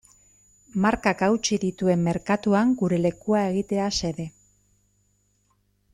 Markak hautsi dituen merkatuan gure lekua egitea xede.